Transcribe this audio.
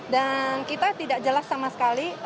dan kita tidak jelas sama sekali